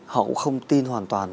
họ cũng không tin hoàn toàn